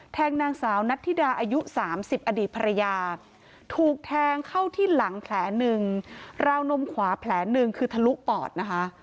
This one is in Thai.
นางสาวนัทธิดาอายุ๓๐อดีตภรรยาถูกแทงเข้าที่หลังแผลหนึ่งราวนมขวาแผลหนึ่งคือทะลุปอดนะคะ